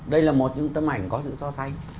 đây là một tấm ảnh có sự so sánh